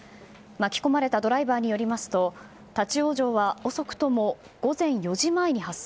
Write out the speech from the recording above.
巻き込まれたドライバーによりますと立ち往生は遅くとも午前４時前に発生。